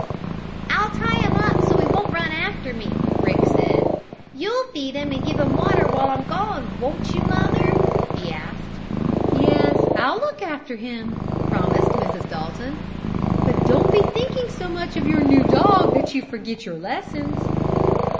"I'll tie him up so he won't run after me," Rick said. "You'll feed him and give him water while I'm gone; won't you, Mother?" he asked. "Yes, I'll look after him," promised Mrs. Dalton. "But don't be thinking so much of your new dog that you forget your lessons."